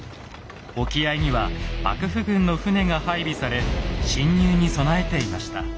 沖合には幕府軍の船が配備され侵入に備えていました。